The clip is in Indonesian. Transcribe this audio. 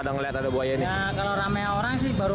dengarnya sudah lama sudah seminggu yang lalu